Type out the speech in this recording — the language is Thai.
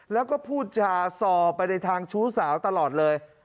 แล้วก็พูดจาซอไปในทางชู้สาวตลอดเลย